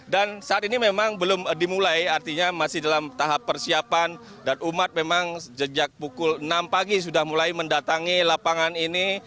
dan saat ini memang belum dimulai artinya masih dalam tahap persiapan dan umat memang sejak pukul enam pagi sudah mulai mendatangi lapangan ini